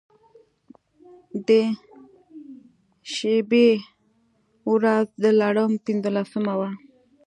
د شبې و رځ د لړم پنځلسمه وه.